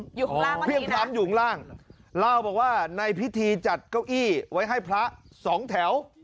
อยู่ข้างล่างอยู่ข้างล่างเราบอกว่าในพิธีจัดเก้าอี้ไว้ให้พระสองแถว